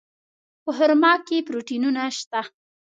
په خرما کې پروټینونه شته.